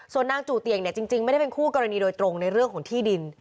ส่วนนางจู่เตียงเนี่ยจริงไม่ได้เป็นคู่กรณีโดยตรงในเรื่องของที่ดิน